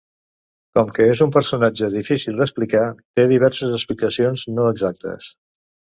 Com que és un personatge difícil d'explicar, té diverses explicacions no exactes.